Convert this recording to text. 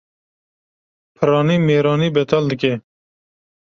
Piranî mêranî betal dike